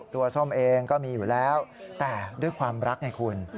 ส้มเองก็มีอยู่แล้วแต่ด้วยความรักไงคุณ